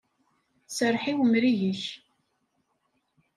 Serreḥ i umrig-ik!